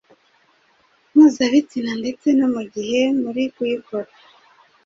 mpuzabitsina ndetse no mu gihe muri kuyikora,